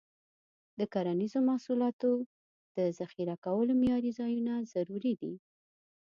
د کرنیزو محصولاتو د ذخیره کولو معیاري ځایونه ضروري دي.